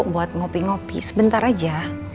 buat ngopi ngopi sebentar aja